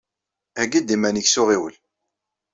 Heyyi-d iman-ik s uɣiwel.